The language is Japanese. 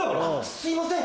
すいません。